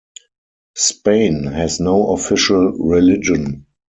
Spain has no official religion.